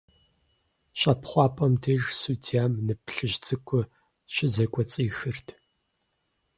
ЩӀэпхъуапӀэм деж судьям нып плъыжь цӀыкӀур щызэкӀуэцӀихырт.